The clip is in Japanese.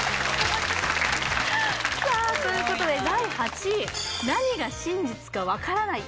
さあということで第８位何が真実か分からない